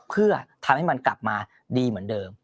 เพื่อทำให้มันกลับมาดีเหมือนเดิม